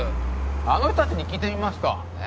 あの人達に聞いてみますかええ？